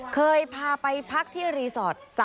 เคยพาไปพักที่รีสอร์ท